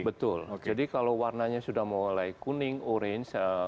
betul jadi kalau warnanya sudah mulai kuning orange